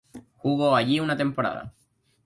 Jugó allí una temporada.